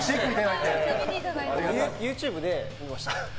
ＹｏｕＴｕｂｅで見ました。